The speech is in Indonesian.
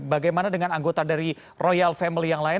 bagaimana dengan anggota dari royal family yang lain